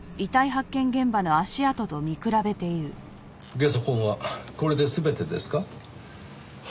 ゲソ痕はこれで全てですか？